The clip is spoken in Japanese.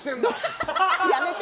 やめて。